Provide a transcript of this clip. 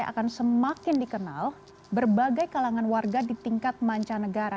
akan semakin dikenal berbagai kalangan warga di tingkat mancanegara